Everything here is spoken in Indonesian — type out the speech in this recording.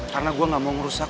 karena gue gak mau ngerusak